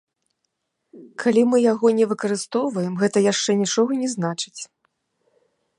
Калі мы яго не выкарыстоўваем, гэта яшчэ нічога не значыць.